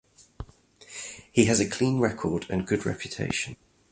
He has a clean record and good reputation.